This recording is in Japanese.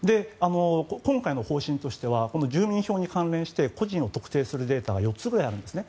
今回の方針としては住民票に関連して個人を特定するデータが４つくらいあるんですね。